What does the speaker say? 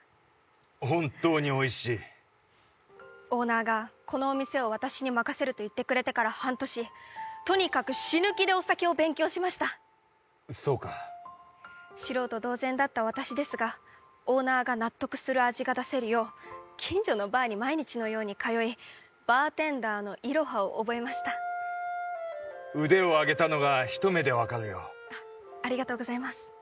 本当においしいオーナーがこのお店を私に任せると言ってくれてから半年とにかく死ぬ気でお酒を勉強しましたそうか素人同然だった私ですがオーナーが納得する味が出せるよう近所のバーに毎日のように通いバーテンダーのイロハを覚えました腕を上げたのが一目で分かるよありがとうございます